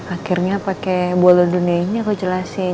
akhirnya pakai bola dunia ini aku jelasin